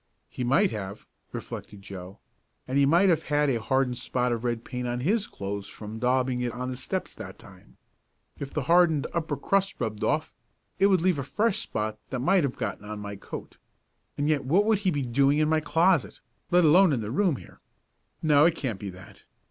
"He might have," reflected Joe, "and he might have had a hardened spot of red paint on his clothes from daubing it on the steps that time. If the hardened upper crust rubbed off, it would leave a fresh spot that might have gotten on my coat. And yet what would he be doing in my closet, let alone in the room here? No, it can't be that.